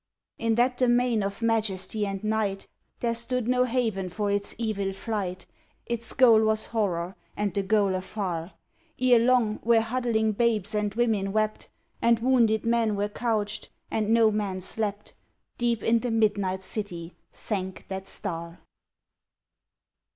In that domain of majesty and night There stood no haven for its evil flight: Its goal was horror, and the goal afar. Ere long, where huddling babes and women wept, And wounded men were couched, and no man slept, Deep in the midnight city sank that star.